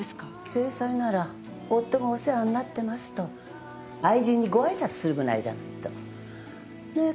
正妻なら「夫がお世話になってます」と愛人にご挨拶するぐらいじゃないと。ねえ？